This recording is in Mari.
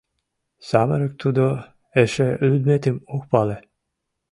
Самырык тудо, эше лӱдметым ок пале.